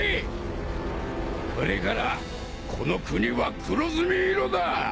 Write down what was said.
これからこの国は黒炭色だ！